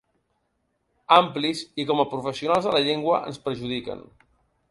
Amplis i, com a professionals de la llengua, ens perjudiquen.